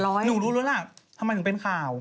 หนูรู้แล้วล่ะทำไมถึงเป็นข่าว